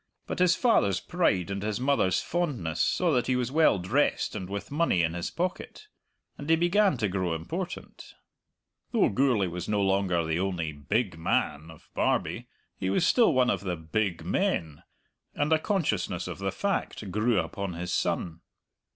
But his father's pride and his mother's fondness saw that he was well dressed and with money in his pocket; and he began to grow important. Though Gourlay was no longer the only "big man" of Barbie, he was still one of the "big men," and a consciousness of the fact grew upon his son.